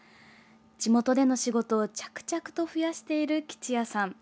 地元での仕事を着々と増やしている吉也さん。